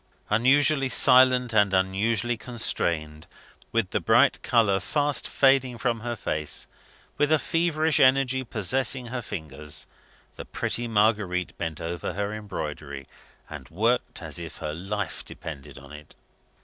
Unusually silent and unusually constrained with the bright colour fast fading from her face, with a feverish energy possessing her fingers the pretty Marguerite bent over her embroidery, and worked as if her life depended on it.